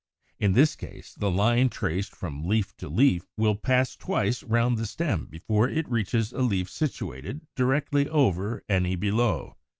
In this case the line traced from leaf to leaf will pass twice round the stem before it reaches a leaf situated directly over any below (Fig.